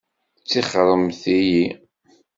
Tixxṛemt-iyi!